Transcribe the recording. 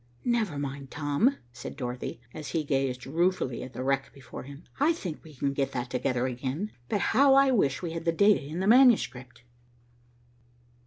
"Never mind, Tom," said Dorothy, as he gazed ruefully at the wreck before him. "I think we can get that together again. But how I wish we had the data in the manuscript!"